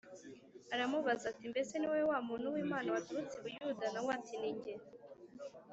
aramubaza ati “Mbese ni wowe wa muntu w’Imana waturutse i Buyuda?” Na we ati “Ni jye”